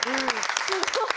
すごい！